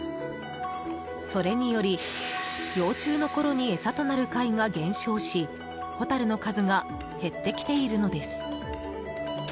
それにより幼虫のころに餌となる貝が減少しホタルの数が減ってきているのです。